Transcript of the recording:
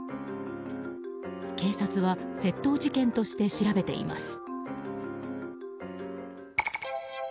警察は窃盗事件として調べています。